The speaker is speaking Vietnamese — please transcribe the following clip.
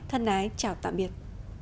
thân ái chào tạm biệt